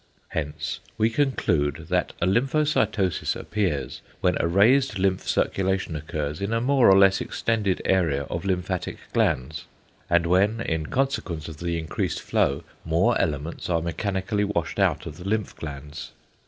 Hence we conclude that a lymphocytosis appears when a raised lymph circulation occurs in a more or less extended area of lymphatic glands, and when, in consequence of the increased flow, more elements are mechanically washed out of the lymph glands.